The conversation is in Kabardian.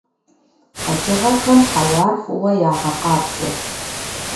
КъэкӀыгъэхэм хьэуар фӀыуэ ягъэкъабзэ.